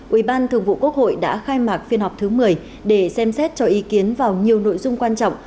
ủy ban thường vụ quốc hội đã khai mạc phiên họp thứ một mươi để xem xét cho ý kiến vào nhiều nội dung quan trọng